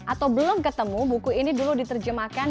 atau belum ketemu buku ini dulu diterjemahkan